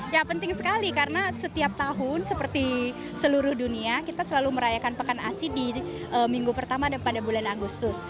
ya penting sekali karena setiap tahun seperti seluruh dunia kita selalu merayakan pekan asi di minggu pertama dan pada bulan agustus